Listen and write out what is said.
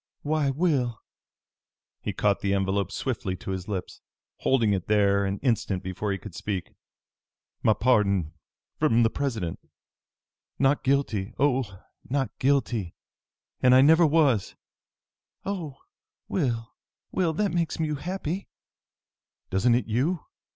"Why, Will!" He caught the envelope swiftly to his lips, holding it there an instant before he could speak. "My pardon! From the President! Not guilty oh, not guilty! And I never was!" "Oh, Will, Will! That makes you happy?" "Doesn't it you?"